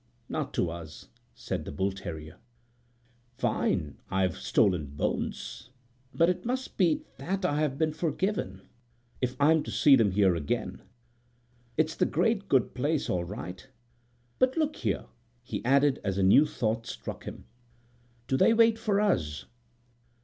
"Not to us," said the bull terrier. "Fine! I've stolen bones, but it must be that I have been forgiven, if I'm to see them here again. It's the great good place all right. But look here," he added as a new thought struck him, "do they wait for us?"